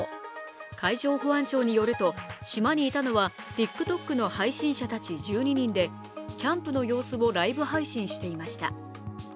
海上保安庁によると島にいたのはＴｉｋＴｏｋの配信者たち１２人でキャンプの様子をライブ配信していました。